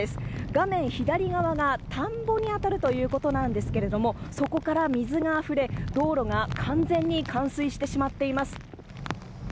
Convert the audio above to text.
画面左側が、田んぼに当たるということなんですがそこから水があふれ道路が完全に冠水してしまっています。